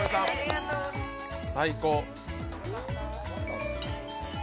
最高！